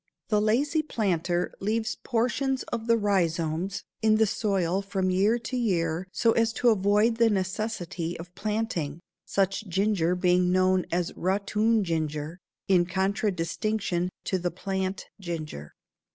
The lazy planter leaves portions of the rhizomes in the soil from year to year so as to avoid the necessity of planting, such ginger being known as "ratoon ginger" in contradistinction to the "plant ginger."